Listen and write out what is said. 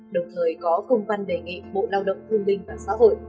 đồng thời có công văn đề nghị bộ lao động thương minh và xã hội